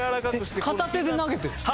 片手で投げてるんですか？